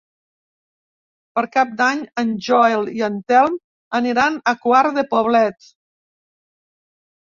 Per Cap d'Any en Joel i en Telm aniran a Quart de Poblet.